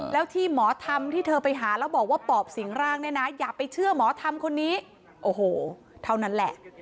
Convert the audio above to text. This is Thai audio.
แล้วที่หมอทำที่เธอไปหาแล้วบอกว่าปอบสิงร่างเนี่ยนะอย่าไปเชื่อหมอธรรมคนนี้โอ้โหเท่านั้นแหละ